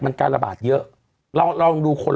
มันการระบาดเยอะเราลองดูคน